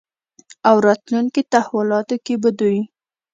او راتلونکې تحولاتو کې به دوی